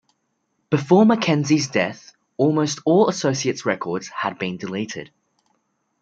Before Mackenzie's death, almost all Associates records had been deleted.